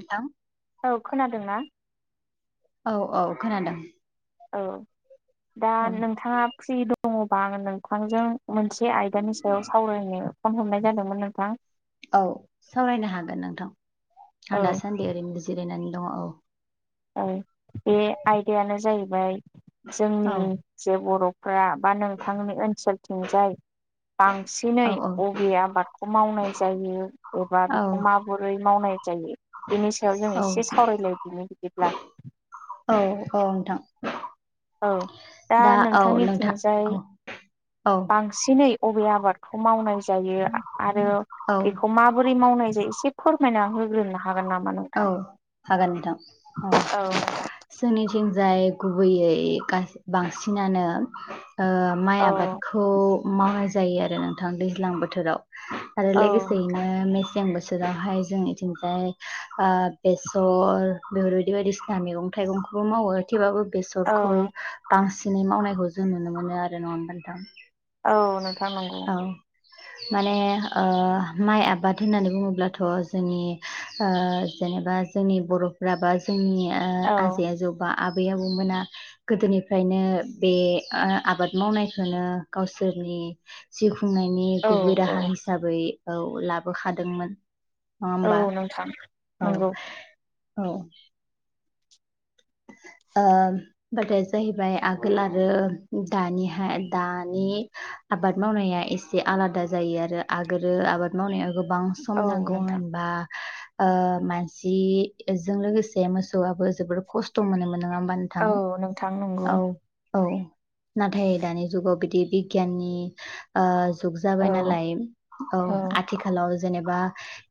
नोंथां औ खोनादोंना? औ औ खोनादों। औ दा औ नोंथाङा फ्रि दं दङबा आङो नोंथांजों मोनसे आयदानि सायाव सावरायनो फन हमनाय जादोंमोन नोंथां। औ सावरायनो हागोन नोंथां औ आं दासान्दि ओरैनो जिरायनानै दङो औ। ओं बे आयदायानो जाहैबाय जोंनि औ जे बर फोरा बा नोंथांनि ओनसोलथिंजाय बांसिनै औ औ बबे आबादखौ मावनाय जायो एबा औ बेखौ माबोरै मावनाय जायो बेनि सायाव जों औ एसे सावरायलायदिनो औ औ नोंथां। औ दा औ नोंथां नोंथांनिथिंजाय औ औ बांसिनै अबे आबाद बेखौ मावनाय जायो आरो औ बेखौ माबोरै मावनाय जायो एसे फोरमायना होग्रोनो हा औ हागोन नोंथां औ जोंनिथिं जाय गुबैयै बांसिनानो ओ माइ औ आबादखौ मावनाय जायो आरो नोंथां दैज्लां बोथोराव आरो लोगोसेयैनो मेसें बोथोराव बोरावहाय जोंनिथिंजाय ओ बेसर बेफोरबायदि बायदिसिना मैगं थाइगंखौबो मावो थेवब्लाबो औ बेसरखौ बांसिनै मावनायखौ जों नुनो मोनो आरो नङा होमबा नोंथां। औ नोंथां नंगौ। औ माने ओ माइ आबाद होननानै बुङोब्लाथ जोंनि ओ जेनेबा जोंनि बरफ्रा बा जोंनि औ आजै आजौबा आबै आबौमोना गोदोनिफ्रायनो बे ओ आबाद मावनायखौनो गावसि इसोरनि जिउ खुंनायनि औ गुबै औ राहा हिसाबै औ लाबोखादोंमोन। नङा होमबा औ नोंथां। औ नंगौ औ। [inaudible] ओ बादाया जाहैबाय आगोल आरो दानिहा दानि आबाद मावनाया एसे आलादा जायो आरो आगोलो आबाद मावनायाव गोब गोबां सम औ नांगौ नोंथां होनबा ओ मानसि जों लोगोसे मोसौआबो जोबोद खस्थ मोनोमोन नङा मानोथां औ नोंथां नंगौ औ। औ नाथाय दानि जुगाव बिदि बिगियाननि ओ जुग औ जाबाय नालाय औ आथिखालाव जेनेबा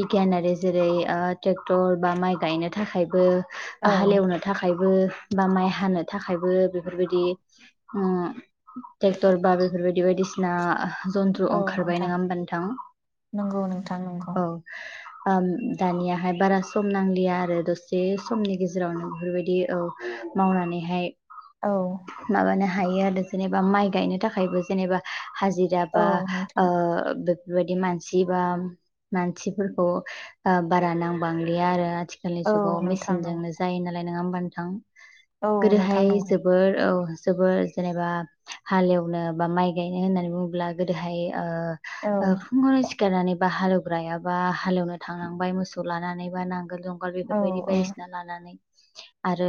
बिगियानारि जेरै ओ ट्रेक्टर बा माइ गायनो थाखायबो औ। बो माइ हानो थाखायबो बेफोरबायदि ओ ट्रेक्टर बा बेफोरबायदि बायदिसिना जनन्द्रु औ ओंखारबाय नोंथां नङा होमबा नोंथां नंगौ नोंथां नंगौ औ। ओम दानियाहाय बारा सम नांलिया आरो दसे समनि गेजेरावनो बेफोरबायदि औ मावनानैहाय औ। माबानो हायो आरो जेनेबा माइ गायनो था खायबो जेनेबा हाजिरा औ बा ओ नोंथां बेफोरबायदि मानसि बा मानसिफोरखौ ओ बारा नांबांलिया आरो। आथिखालनि औ जुगाव नोंथां नंगौ मेसिनजोंनो जायो नालाय नङा होमबा नोंथां? औ नोंथां गोदोहाय नंगौ जोबोर औ। जोबोर जेनेबा हालेवनो बा माइ गायनो होननानै बुङोब्ला गोदोहाय ओ औ ओ फुंआवनो सिख खारनानैबा हालेवग्रायाबा हालेवनो थांनांबाय मोसौ लानानैबा नांगोल जुं अगाल औ बेफोरबायदि बायदिसिना लानानै आरो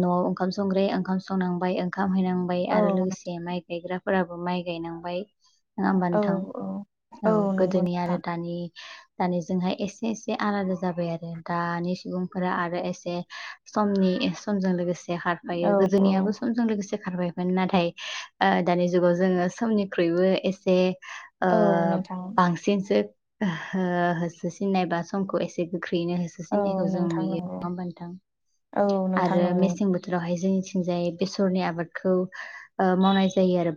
न'आव ओंखाम संग्रै ओंखाम संनांबाय ओंखा हामहैनांबाय औ आरो लोगोसे माइ गायग्राफोराबो माइ गायनांबाय। नङा होमबा औ नोंथां औ औ नंगौ गोदोनि नोंथां आरो दानि दानि जोंहाय एसे एसे आलादा जाबाय आरो दानि सुबुंफोरा आरो एसे समनि समजों लोगोसे हार औ बायो औ गोदोनियाबो समजों लोगोसे सो [unintelligible] खारबायमोन नाथाय ओ औ नोंथां बांसिनसो हो होसोसिननाय बा समखौ एसे ख्रिनो होसो औ सिनायखौ जों नोंथां नुयो। नंगौ [inaudible] बान्थां औ नोंथां आरो नंगौ मेसें बोथोराव बाय जोंनिथिंजाय बेसरनि आबादखौ ओ मावनाय जायो आरो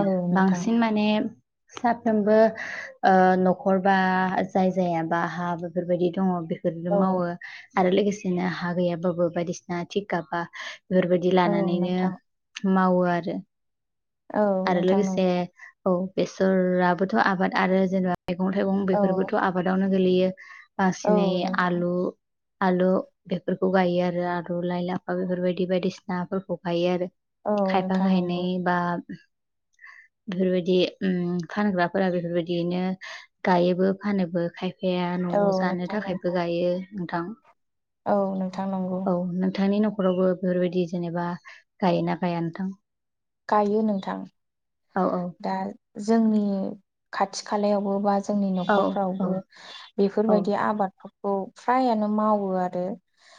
औ नोंथां बांसिन माने साफ्रोमबो ओ न'खर बा जाय जायाबा हा बेफोरबायदि दङ बे औ मावो आरो लोगोसेनो हा गैयाबाबो बायदिसिना थिगा बा बेफोरबायदि औ लानानैनो नोंथां मावो आरो औ आरो नोंथां नंगौ लोगोसे औ बेसराबोथ' आबाद आरो जेनेबा मैगं थाइगं औ बेफोरबोथ' आबादावनो गोलैयो। औ बांसिनै नोंथां आलु आलु बेफोरखौ गायो आरो आलु लाइ लाफा बेफोरबायदि बायदिसिनाफोरखौ गायो आरो औ खायफा नोंथां नंगौ गायनाय बा [inaudible] बेफोरबायदि उ फानग्राफोरा बेफोरबायदियैनो गायोबो फानोबो खायफ बिया औ न'आव जानो नोंथां नंगौ थाखायबो गायो नोंथां। औ नोंथां नंगौ। नखावबो बेफोरबायदि जेनेबा गायोना गायानोथां गायो नोंथां। दा जोंनि खाथि खालायावबो बा जोंनि औ औ न'खरफ्रावबो औ बेफोरबायदि आबादफोरखौ फ्रायानो मावो आरो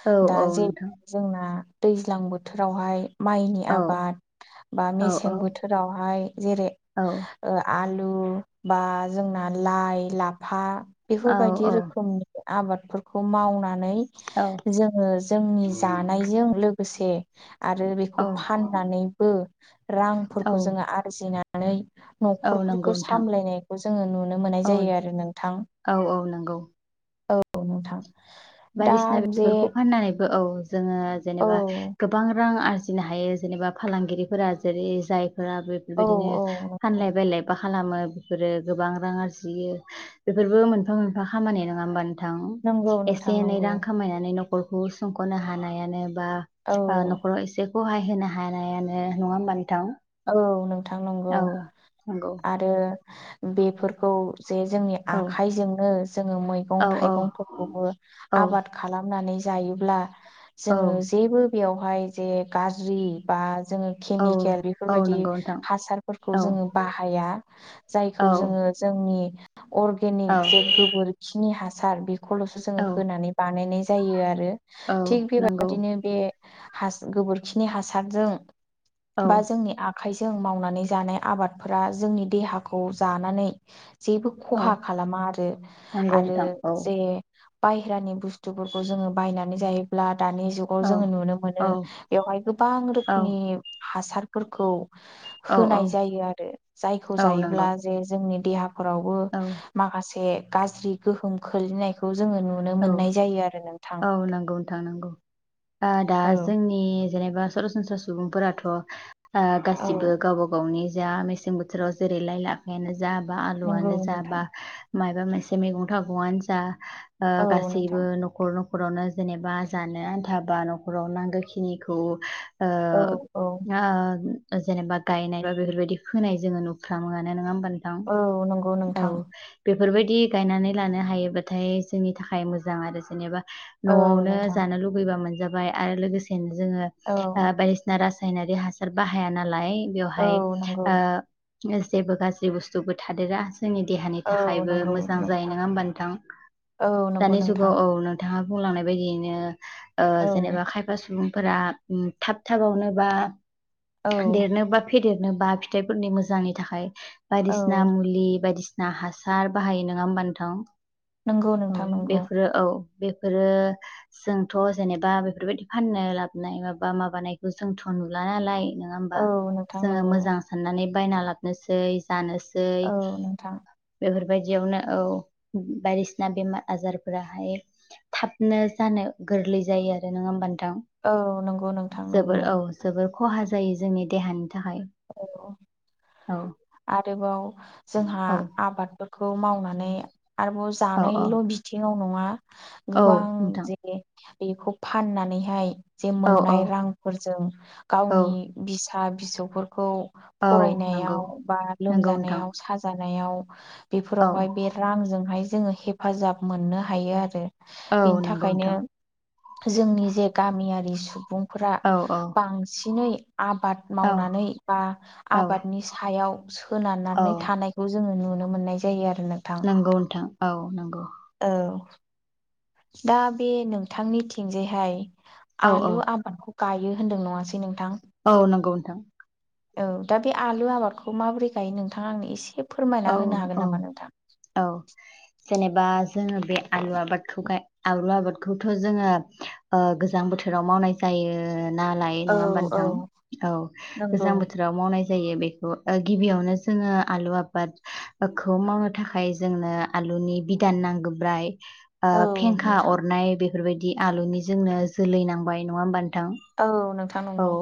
औ दा औ जे नोंथां जोंना दैज्लां बोथोरावहाय माइनि औ आबाद बा औ मेसें बोथोरावहाय जेरै औ ओ आलु बा जोंना लाइ लाफा औ बेफोरबायदि रोखोमनि आबादफोरखौ मावनानै औ जोङो जोंनि जानायजों लोगोसे आरो औ बेखौ फाननानैबो औ रांफोरखौ जोङो आरजिनानै औ नंगौ न'खरफोरखौ नोंथां सामलायनायखौ जोङो नुनो मोननाय जायो आरो नोंथां। नांगौ। [unintelligible] दनो [unintelligible] थां बायदिसिना बेफोरखौ फाननानैबो औ जोङो औ जेनेबा गोबां रां आरजि नो हायो जेनेबा फालांगिरिफोरा जेरै जायफोरा औ बेफोरबायदिनो औ फानलाय बायलाय बाख खालामो बेफोरो गोबां रां आरजियो बेफोरबो मोनफा मोनफा खामानि नङा होमब नंगौ नंगौ। एसे नोंथां एनै रां खामायनानै न'खरखौ सुंख'नो हानायानो बा औ ओ न'खराव एसेखौहाय होनो हानायानो नङा होमबाथां? औ नोंथां नंगौ नंगौ आरो बेफोरखौ जे जोंनि औ आखाइजोंनो जोङो औ मैगं थाइगंफोरखौबो औ आबाद खालामनानै जायोब्ला औ जों जेबो बेयावहाय जे गाज्रि बा जोङो औ केमिकेल औ नंगौ बेफोरबायाददि नोंथां हासारफोरखौ औ जोङो बाहाया औ जायखौ जोङो जोंनि औ अर्गेनिक जे गोबोरखिनि हासार बेखौल'सो जोङो औ होनानै बानायनाय ज जायो आरो औ थिग नंगौ बेबादिनो बे हास गोबोरखिनि हासारजों औ बा जोंनि आखाइजों मावनानै जानाय आबादफोरा जोंनि देहाखौ जानानै जेबो औ खहा खालामा आरो नंगौ आरो नोंथां औ जे बायहेरानि बुस्थुफोरखौ जोङो बायनानै जायोब्ला दानि जुगाव औ जोङो नुनो औ मोनो बेवहाय गोबां रोखोमनि हासारफोरखौ औ औ होनाय जायो आरो जायखौ औ जायोब्ला नंगौ जे जोंनि देहा फोरावबो औ माखासे गाज्रि गोहोम खोलैनायखौ जोङो नुनो औ मोननाय जायो आरो नोंथां। औ नंगौ नोंथां नंगौ आ दा औ जोंनि जेनेबा सरासनस्रा सुबुंफोराथ' ओ औ गासिबो गावबा गावनि जा मेसें बोथोराव जेरै लाइ लाफायानो जा बा नंगौ आलुआनो जा नोंथां बा मायाबा मोनसे मैगं थाइगंआनो जा ओ औ गासैबो नोंथां न'खर नख न'खरावनो जेनेबा जानो आनथा बा न'खराव नांगौखिनिखौ ओ औ औ ओ जेनेबा गायनाय बा बेफोरबायदि खोनाय जोङो नुफ्रामोआनो नङा होमबा नोंथां औ नंगौ औ नोंथां बे बेफोरबायदि गायनानै लानो हायोबाथाय जोंनि थाखाय मोजां आरो जेनेबा औ न'आवनो नोंथां जानो लुुबैबा मोनजाबाय आरो लोगोसेनो जोङो औ ओ बायदिसिना रा सायनारि हासार बाहाया नालाय औ बेवहाय नंगौ ओ जेबो गाज्रि बुस्थुबो थादेरा जोंनि देहानि औ थाखायबो नंगौ मोजां जायो नोंथां नङा होमबा नोंथां औ नंगौ दानि नोंथां जुगाव औ नोंथां थाङा बुंलांनाय बायदियैनो ओ औ जेनेबा खायफा सुबुं फोरा थाब थाबावनो बा औ देरनो बा फेदेर नो बा फिथाइफोरनि मोजांनि थाखाय औ बायदिसिना मुलि बायदिसि ना हासार बाहायो नङा होमबा नोंथां? नंगौ औ नोंथां नंगौ बेफोरो औ बेफोरो जोंथ' जेनेबा बेफोरबायदि फाननो लाबोनाय माबा माबानायखौ जोंथ' नुला नालाय नङा होमबा औ नोंथां जोङो नंगौ मोजां साननानै बायना लाबनोसै जानोसै औ नोंथां बेफोर बायदियावनो औ बायदिसिना बेमार आजारफोराहाय थाबनो जानो गोरलै जायो आरो नङा होमबा नोंथां? औ नंगौ नोंथां नंगौ जोबोर औ जोबोर खहा जायो जोंनि देहानि थाखाय औ औ आरोबाव जोंहा औ आबादफोरखौ मावनानै आरोबाव औ औ जानायल' बिथिङाव नङा औ गोबां नोंथां जेरै बेखौ फाननानैहाय जे औ औ मोननाय रांफोरजों औ गावनि बिस सा फिसौफोरखौ औ नंगौ फरायनायाव बा नंगौ नोंथां लोमजानायाव साजानायाव औ बेफोरावहाय बे रांजोंहाय जोङो हेफाजाब मोननो हायो आरो औ बेनि नंगौ थाखायनो नोंथां जोंनि जे गामियारि सुबुंफोरा औ औ बांसिनै आबाद औ मावनानै बा औ आबादनि सायाव औ सोनारनानै थानायखौ जोङो नुनो मोननाय जायो आरो ‌ नंगौ नोंथां औ नंगौ औ दा बे नोंथांनिथिंजायहाय औ औ आलु आबादखौ गायो होनदों नङासै नों औ नंगौ नोंथां औ दा बे आलु आबादखौ माबोरै गायो नोंथाङा आंनो एसे फोरमायना औ होनो हागोन औ नामा नोंथां औ जेने बा जोङो बे आलु आबादखौ गाय आलु आबादखौथ' जोङो ओ गोजां बोथोराव माव मावनाय जायो नालाय औ नङा होनबा औ नोंथां? औ नंगौ गोजां बोथोराव मावनाय जायो बेखौ गिबियावनो जोङो आलु आबादखौ मावनो थाखाय जोंनो आलुनि बिदान नांग्रोबाय ओ औ फेंखा नोंथां अरनाय बेफोरबायदि आलुनि जोंनो जोलै नांबाय नङा होमबा नोंथां? औ नोंथां औ नंगौ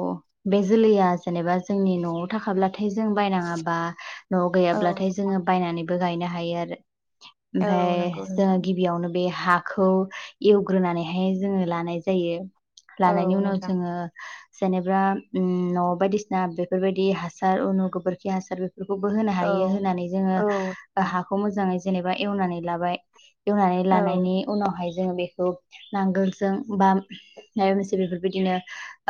बे जोलैया जेनेबा जोंनि न'आव थाखाब्ला थाय जों बायनाङाबा न'आव औ गैयाब्लाथाय नोंथां जोङो बायनानैबो गायनो हायो आरो ओमफाय औ नंगौ जोङो नोंथां गिबियावनो बे हाखौ एवग्रोनानैहाय जोङो लानाय जायो औ लानायनि उनाव नोंथां जोङो जेनेबा न' बायदिसिना बेफोरबायदि हासार उनु गोबोरखि हासार बे खौबो होनो औ हायो होनानै जोङो औ नोंथां हाखौ मोजाङै जेनेबा एवनानै लाबाय एवनानै औ लानायनि उनावहाय जोङो बेखौ नांगोलजों बा माबा मोनसे बेफोरबायदिनो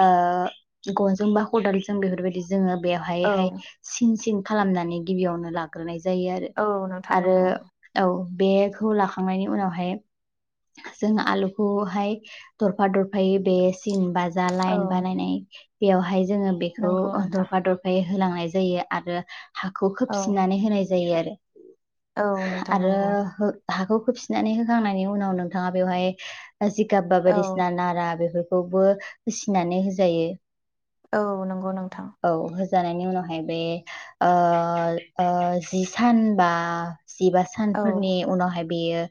ओ गनजों बा खदालजों बेफोरबायदि जोङो बेवहाय औ हाय सिन सिन खालामनानै गिबियावनो लाग्रोनाय जायो औ नोंथां आरो नंगौ आरो औ बेखौ लाखांनायनि उनावहाय जों आलुखौहाय दरफा दरफायै बेस सिन बा जा औ लाइन बानायनाय बेयावहाय जोङो बेखौ नंगौ नोंथां दरफा दरफायै होलांनाय जायो आरो हाखौ औ खोबसिननानै होनाय जायो आरो औ नोंथां आरो नंगौ हो हाखौ खोबसिनानै होखांनायनि उनाव नोंथाङा बेवहाय जिगाब बा औ बायदिसिना नारा बेफोर खौबो होसिनानै होजायो औ नंगौ नोंथां जानायनि उनावहाय बे ओ ओ जि सानबा जिबा औ सानफोरनि उनावहाय बेयो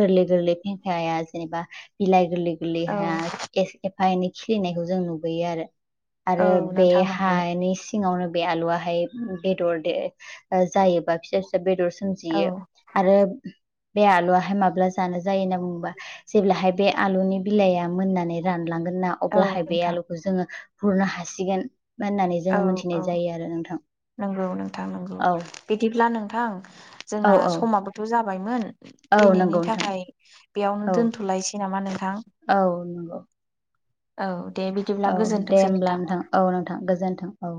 गोरलै गोरलै फेंखाया जेनेबा बिलाइ गोरलै गोरलै औ हाया एफा एनै खिलिनायखौ जों नुबोयो आरो औ आरो बे नोंथां नंगौ हानि सिंआवनो बे आलुआ हाय बेदर दे जायो बा फिसा फिसा बेदर सो औ सोमजियो आरो बे आलुआहाय माब्ला जानो जायो होनना बुङोबा जेब्लाहाय बे आलुनि बिलाइआ मोननानै रानलांगोन ना औ अब्लाहाय बे नोंथां आलुखौ जोङो बुरनो हासिगोन होननानै औ जोङो औ मोनथिनाय जायो आरो नोंथां नंगौ नोंथां नंगौ औ बिदिब्ला नोंथां औ जोंना औ समाबोथ' जा बायमोन औ नंगौ दिनैनि नोंथां थाखाय बेयावनो औ दोनथ'लायनोसै नामा नों औ नंगौ औ दे बिदिब्ला औ दे गोजोनथोंसै होमब्ला नोंथां औ नोंथां गोजोनथों औ